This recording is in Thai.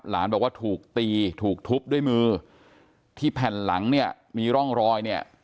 บอกว่าถูกตีถูกทุบด้วยมือที่แผ่นหลังเนี่ยมีร่องรอยเนี่ย